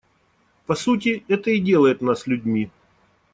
По сути, это и делает нас людьми.